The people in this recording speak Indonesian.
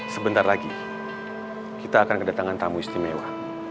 sebentar lagi kita akan kedatangan tamu istimewa